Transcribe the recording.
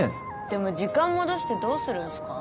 でも時間戻してどうするんすか？